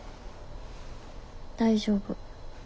大丈夫。